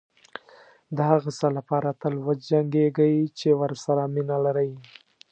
دهغه څه لپاره تل وجنګېږئ چې ورسره مینه لرئ.